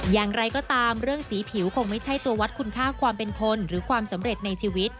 อย่างไรก็ตามเรื่องสีผิวคงไม่ใช่ตัววัดคุณค่าความเป็นคนหรือความสำเร็จในชีวิต